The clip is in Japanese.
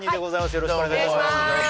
よろしくお願いします